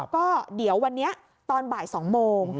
ก็เดี๋ยววันนี้ตอนบ่าย๒โมง